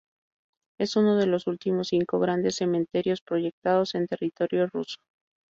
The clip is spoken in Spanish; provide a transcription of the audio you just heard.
Es uno de los últimos cinco grandes cementerios proyectados en territorio ruso.